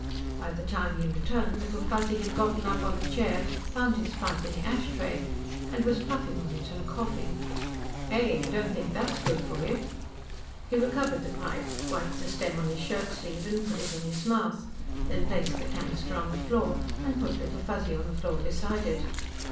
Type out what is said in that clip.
By the time he returned, Little Fuzzy had gotten up on the chair, found his pipe in the ashtray and was puffing on it and coughing. "Hey, I don't think that's good for you!" He recovered the pipe, wiped the stem on his shirt sleeve and put it in his mouth, then placed the canister on the floor, and put Little Fuzzy on the floor beside it.